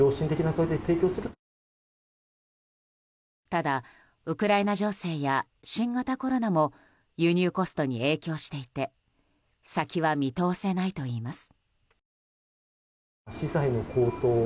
ただ、ウクライナ情勢や新型コロナも輸入コストに影響していて先は見通せないといいます。